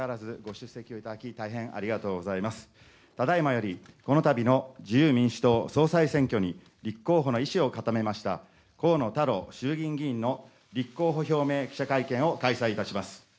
ただいまよりこのたびの自由民主党総裁選挙に立候補の意思を固めました河野太郎衆議院議員の立候補表明記者会見を開催いたします。